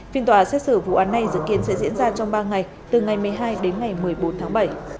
phiên tòa xét xử vụ án này dự kiến sẽ diễn ra trong ba ngày từ ngày một mươi hai đến ngày một mươi bốn tháng bảy